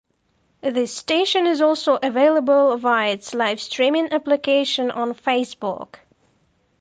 This station is also available via its live streaming application on Facebook.